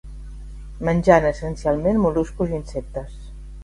Menjant essencialment mol·luscos i insectes.